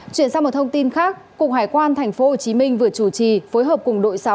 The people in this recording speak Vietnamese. chuyển sang một thông tin khác cục hải quan tp hcm vừa chủ trì phối hợp cùng đội sáu